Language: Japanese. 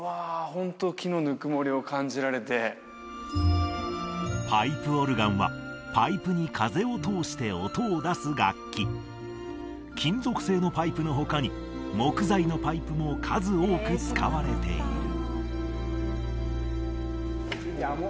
ホント木のぬくもりを感じられてパイプオルガンはパイプに風を通して音を出す楽器金属製のパイプの他に木材のパイプも数多く使われている